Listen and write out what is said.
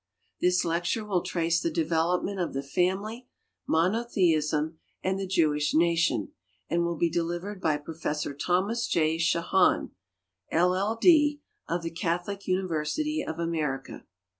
This lecture will trace the development of the family, monotheism, and the Jewish nation, and will be delivered by Prof. Thomas J. Shahan, LL. D., of the Catholic University of America.